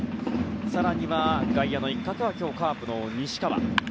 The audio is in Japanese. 更には、外野の一角はカープの西川。